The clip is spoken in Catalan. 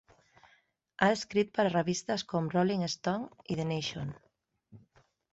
Ha escrit per a revistes com "Rolling Stone" i "The Nation".